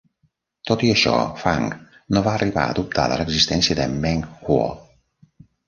Tot i això, Fang no va arribar a dubtar de l'existència de Meng Huo.